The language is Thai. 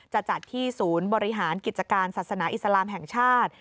จะจัดที่ศูนย์บริหารกิจการศาสนาอิสลามแห่งชาติ